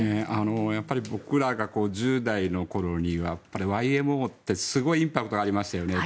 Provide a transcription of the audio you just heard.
やっぱり僕らが１０代の頃にＹＭＯってすごいインパクトがありましたよね。